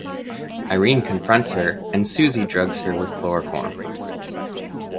Irene confronts her and Susie drugs her with chloroform.